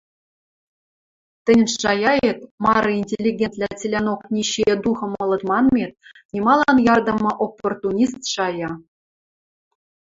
— Тӹньӹн шаяэт — мары интеллигентвлӓ цилӓнок нищие духом ылыт манмет — нималан ярдымы оппортунист шая.